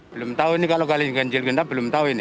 belum tahu ini kalau kalian ganjil genap belum tahu ini